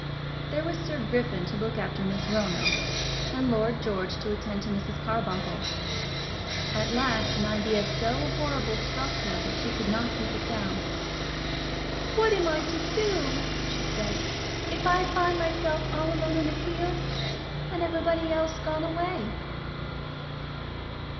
There was Sir Griffin to look after Miss Roanoke, and Lord George to attend to Mrs. Carbuncle. At last an idea so horrible struck her that she could not keep it down. "What am I to do," she said, "if I find myself all alone in a field, and everybody else gone away!"